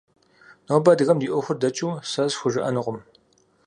Нобэ адыгэм ди Ӏуэхур дэкӀыу сэ схужыӀэнукъым.